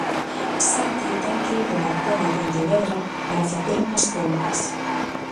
Santi ten que ir de Marcón a Pontevedra para facer unhas compras.